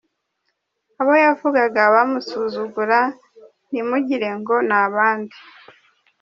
Abo yavugaga bamusuzugura ntimugirengo ni abandi!